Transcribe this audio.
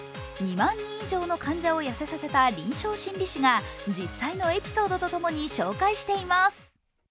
２万人以上の患者を痩せさせた臨床心理士が実際のエピソードと共に紹介しています。